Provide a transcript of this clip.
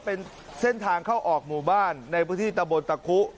เป็นเส้นทางเข้าออกหมู่บ้านในพื้นที่ตะบนตะคุ